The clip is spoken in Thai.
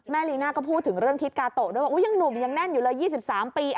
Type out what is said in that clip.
ลีน่าก็พูดถึงเรื่องทิศกาโตะด้วยว่ายังหนุ่มยังแน่นอยู่เลย๒๓ปี